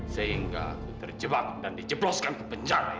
sehingga aku terjebak dan dijebloskan ke penjara ini